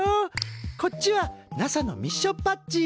こっちはＮＡＳＡのミッションパッチ。